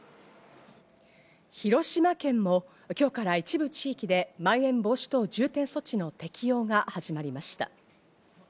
広島県も今日から一部地域でまん延防止等重点措置の適用が始まりました。